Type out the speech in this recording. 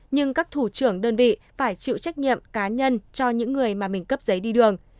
nhưng các thủ trưởng đơn vị phải chịu trách nhiệm cá nhân cho những người mà mình cấp giấy đi đường